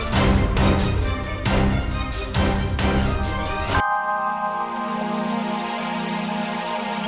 selama sepak terjangmu menimbulkan malapetaka